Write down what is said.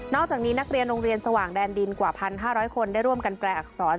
อกจากนี้นักเรียนโรงเรียนสว่างแดนดินกว่า๑๕๐๐คนได้ร่วมกันแปลอักษร